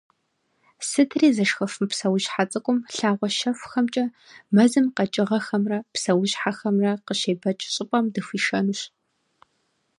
Сытри зышхыф мы псэущхьэ цӏыкӏум лъагъуэ щэхухэмкӏэ мэзым къэкӏыгъэхэмрэ псэущхьэхэмрэ къыщебэкӏ щӏыпӏэм дыхуишэнущ.